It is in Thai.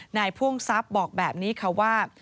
พ่วงทรัพย์บอกแบบนี้ค่ะว่า